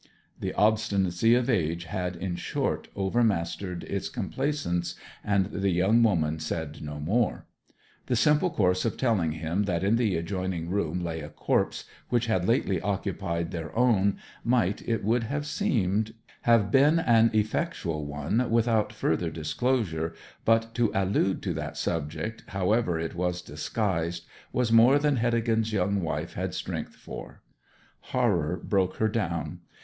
The obstinacy of age had, in short, overmastered its complaisance, and the young woman said no more. The simple course of telling him that in the adjoining room lay a corpse which had lately occupied their own might, it would have seemed, have been an effectual one without further disclosure, but to allude to that subject, however it was disguised, was more than Heddegan's young wife had strength for. Horror broke her down.